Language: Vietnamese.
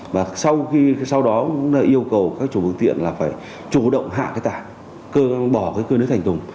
và sau đó cũng yêu cầu các chủ phương tiện là phải chủ động hạ cái tài bỏ cái cơi nới thành thùng